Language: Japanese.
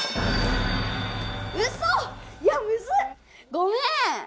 ごめん！